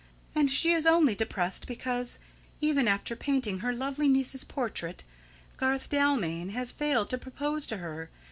And she is only depressed because, even after painting her lovely niece's portrait, Garth Dalmain has failed to propose to her.